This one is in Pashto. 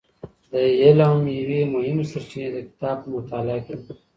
د علم یوې مهمې سرچینې د کتاب په مطالعه کې ده.